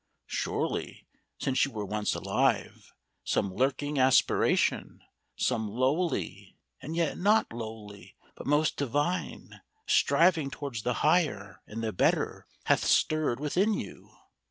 Surely, since you were once alive, some lurking aspiration, some lowly, and yet not lowly, but most divine, striving towards the Higher and the Better, hath stirred within you.